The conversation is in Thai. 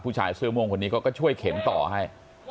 ผู้ชายเสื้อม่วงคนนี้ก็ช่วยเข็นต่อให้